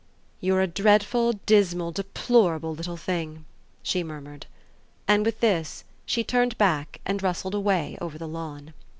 "You're a dreadful dismal deplorable little thing," she murmured. And with this she turned back and rustled away over the lawn.